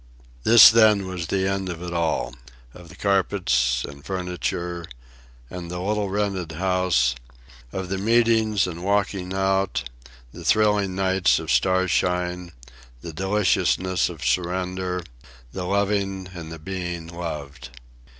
This, then, was the end of it all of the carpets, and furniture, and the little rented house; of the meetings and walking out, the thrilling nights of starshine, the deliciousness of surrender, the loving and the being loved.